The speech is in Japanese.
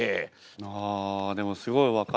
あでもすごい分かる。